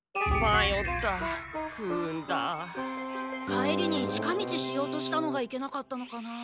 帰りに近道しようとしたのがいけなかったのかなあ。